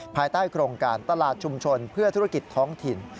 ภายใต้โครงการตลาดชุมชนเพื่อธุรกิจท้องถิ่น